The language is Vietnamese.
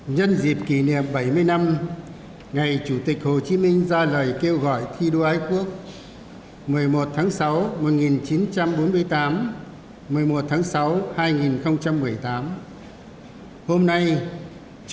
nhân dịp kỷ niệm bảy mươi năm ngày chủ tịch hồ chí minh ra lời kêu gọi thi đua ái quốc